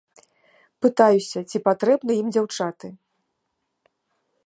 Пытаюся, ці патрэбны ім дзяўчаты.